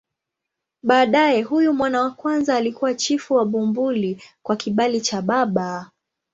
Baadaye huyu mwana wa kwanza alikuwa chifu wa Bumbuli kwa kibali cha baba.